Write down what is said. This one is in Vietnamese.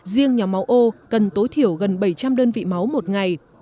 riêng nhà máu ô cần tối thiểu gần bảy trăm linh đơn vị máu một ngày